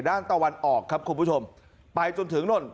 ตะวันออกครับคุณผู้ชมไปจนถึงนู่น